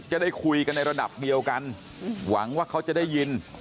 จะได้คุยกันในระดับเดียวกันหวังว่าเขาจะได้ยิน